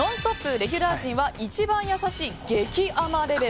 レギュラー陣は一番易しい激甘レベル。